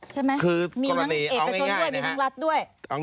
ใช่ไหมมีทั้งเอกชนด้วยมีทั้งรัฐด้วย